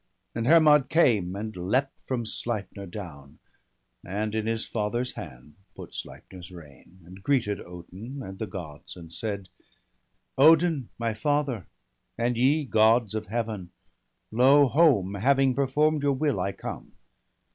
And Hermod came, and leapt from Sleipner down. And in his father's hand put Sleipner's rein. And greeted Odin and the Gods, and said :—' Odin, my father, and ye, Gods of Heaven ! Lo, home, having perform'd your will, I come.